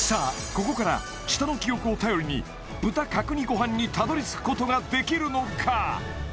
ここから舌の記憶を頼りに豚角煮ごはんにたどり着くことができるのか？